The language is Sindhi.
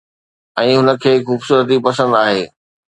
۽ هن کي خوبصورتي پسند آهي